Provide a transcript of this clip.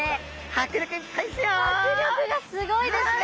迫力がすごいですね！